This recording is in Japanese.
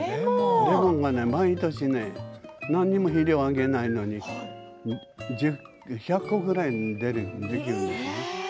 レモンが毎年何にも肥料あげないのに１００個ぐらいできるんです。